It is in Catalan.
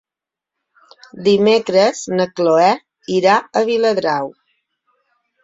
Dimecres na Cloè irà a Viladrau.